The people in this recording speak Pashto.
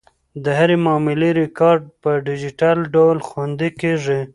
د هرې معاملې ریکارډ په ډیجیټل ډول خوندي کیږي.